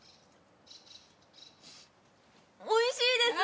おいしいです！